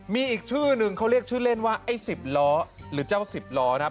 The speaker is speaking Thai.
มีอีกชื่อนึงเขาเรียกชื่อเล่นว่าไอ้๑๐ล้อ